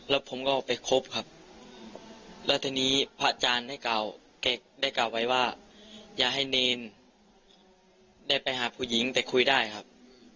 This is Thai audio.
และทีนี้กฏของอาจารย์ก็เตือนหลายครั้งแล้วครับ